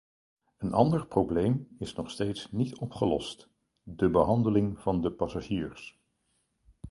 Een ander probleem is nog steeds niet opgelost: de behandeling van de passagiers.